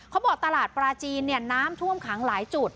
เขาบอกตลาดปลาจีนน้ำท่วมขังหลายจุด